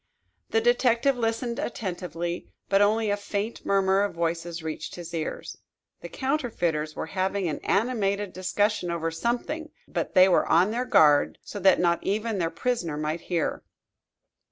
The detective listened attentively, but only a faint murmur of voices reached his ears. The counterfeiters were having an animated discussion over something, but they were on their guard so that not even their prisoner might hear.